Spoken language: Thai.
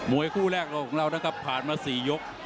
วยคู่แรกเราของเรานะครับผ่านมา๔ยก